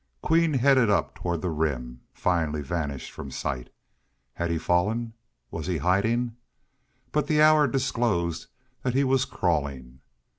Queen, headed up toward the Rim, finally vanished from sight. Had he fallen? Was he hiding? But the hour disclosed that he was crawling.